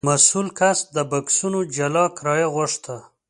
مسوول کس د بکسونو جلا کرایه غوښته.